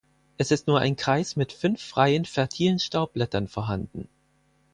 Es ist nur ein Kreis mit fünf freien, fertilen Staubblättern vorhanden.